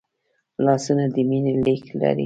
لاسونه د مینې لیک لري